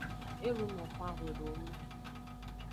E luno xwan xwedowonu.